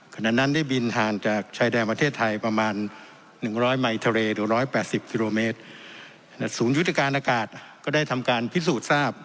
ขณะนั้นได้บินทางจากชายแดนประเทศไทยประมาณหนึ่งร้อยไมค์ทะเลหรือร้อยแปดสิบฟิโรเมตรและศูนยุติการอากาศก็ได้ทำการพิสูจน์ทราบ